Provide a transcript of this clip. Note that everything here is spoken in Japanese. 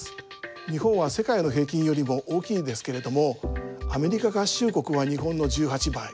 日本は世界の平均よりも大きいんですけれどもアメリカ合衆国は日本の１８倍。